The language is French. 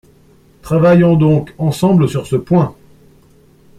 Travaillons donc ensemble sur ce point.